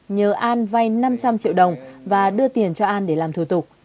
nhờ an vay năm trăm linh triệu đồng và đưa tiền cho an để làm thủ tục